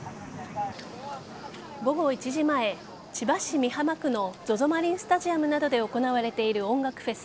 午後１時前千葉市美浜区のＺＯＺＯマリンスタジアムなどで行われている音楽フェス